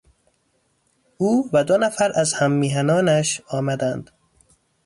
او و دو نفر از هممیهنانش آمدند.